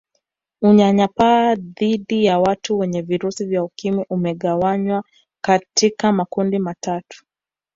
Unyanyapaa dhidi ya watu wenye virusi vya Ukimwi umegawanywa katika makundi matatu